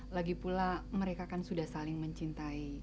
lagipula mereka kan sudah saling mencintai